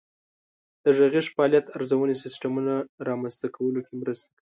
د غږیز فعالیت ارزونې سیسټمونه رامنځته کولو کې مرسته کوي.